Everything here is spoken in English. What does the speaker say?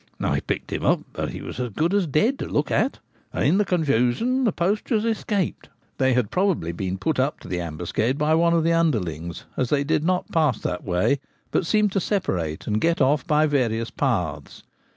I picked him up, but he was as good as dead, to look at ;' and in the confu sion the poachers escaped. They had probably been put up to the ambuscade by one of the underlings, as they did not pass that way, but seemed to separate and get off by various paths.